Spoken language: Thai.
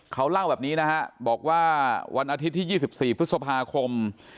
เขาเล่าแบบนี้นะฮะบอกว่าวันอาทิตย์ที่๒๔พฤษภาคม